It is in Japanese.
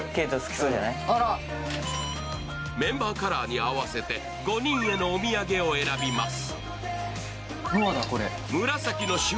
メンバーカラーに合わせて５人へのお土産を選びます。